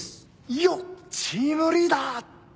よっチームリーダー。